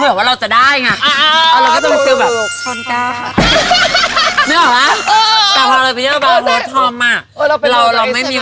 เอ้อใช่